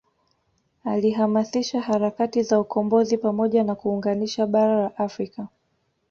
Alihamasisha harakati za ukombozi pamoja na kuunganisha bara la Afrika